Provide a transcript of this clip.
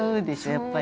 やっぱり。